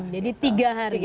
jadi tiga hari